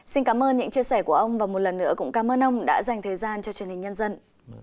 xin cảm ơn những chia sẻ của ông và một lần nữa cũng cảm ơn ông đã dành thời gian cho truyền hình nhân dân